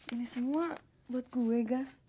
ini semua buat kue gas